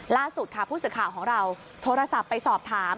ล่าสุดค่ะผู้สื่อข่าวของเราโทรศัพท์ไปสอบถาม